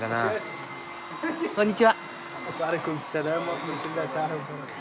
こんにちは。